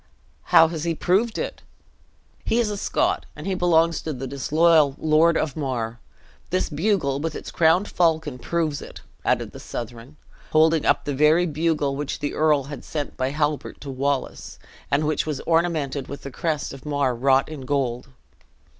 "How has he proved it?" "He is a Scot, and he belongs to the disloyal Lord of Mar. This bugle, with its crowned falcon, proves it," added the Southron, holding up the very bugle which the earl had sent by Halbert to Wallace, and which was ornamented with the crest of Mar wrought in gold.